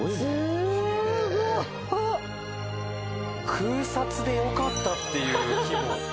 空撮でよかったっていう規模。